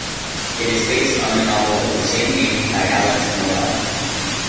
It is based on the novel of the same name by Alex Morel.